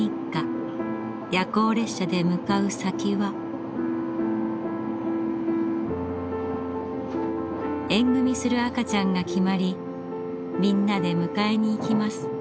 夜行列車で向かう先は縁組する赤ちゃんが決まりみんなで迎えに行きます。